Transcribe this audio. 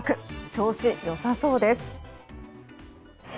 調子、良さそうです。